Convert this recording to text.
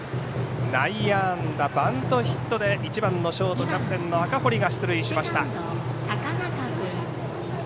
内野安打、バントヒットで１番のショート、キャプテンの赤堀が出塁しました。